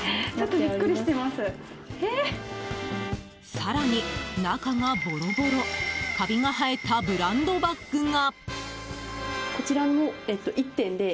更に、中がボロボロカビが生えたブランドバッグが。